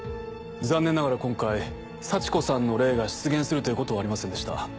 残念ながら今回幸子さんの霊が出現するということはありませんでした。